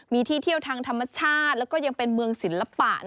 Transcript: มีที่เที่ยวทางธรรมชาติแล้วก็ยังเป็นเมืองศิลปะ